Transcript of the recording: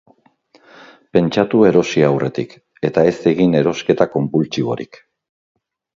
Pentsatu erosi aurretik, eta ez egin erosketa konpultsiborik.